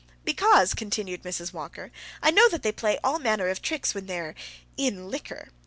"Because," continued Mrs. Walker, "I know that they play all manner of tricks when they're in liquor.